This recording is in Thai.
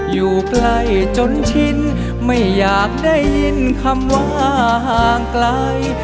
อยู่ใกล้จนชินไม่อยากได้ยินคำว่าห่างไกล